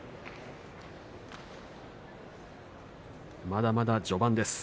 まだまだ序盤です。